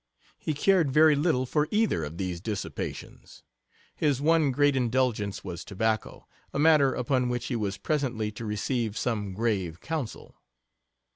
He cared very little for either of these dissipations. His one great indulgence was tobacco, a matter upon which he was presently to receive some grave counsel.